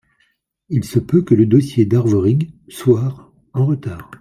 il se peut que le dossier d'Arvorig soir en retard.